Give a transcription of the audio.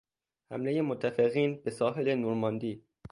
حملهی متفقین به ساحل نرماندی